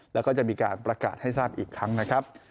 แล้วก็จะมีการประกาศให้ทราบอีกครั้งนะครับ